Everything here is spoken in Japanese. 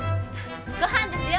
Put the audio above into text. ごはんですよ！